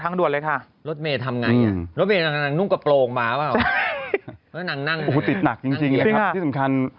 อ้าวยังตกนะครับปัดปล่อย